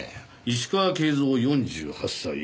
石川圭三４８歳。